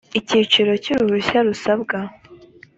icyiciro cy uruhushya rusabwa